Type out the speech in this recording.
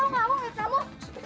ini bunga buat kamu